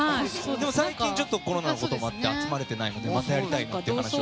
最近、コロナのこともあって集まれてないのでまたやりたいなって話を。